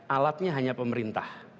alatnya hanya pemerintah